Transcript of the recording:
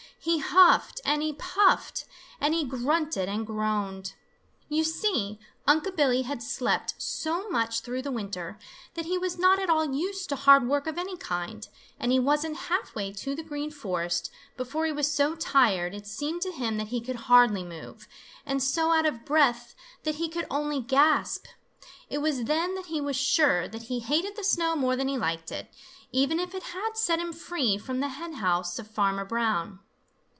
He huffed and he puffed and he grunted and groaned. You see Unc' Billy had slept so much through the winter that he was not at all used to hard work of any kind, and he wasn't half way to the Green Forest before he was so tired it seemed to him that he could hardly move, and so out of breath that he could only gasp. It was then that he was sure that he hated the snow more than he liked it, even if it had set him free from the hen house of Farmer Brown.